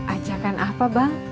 ajakan apa bang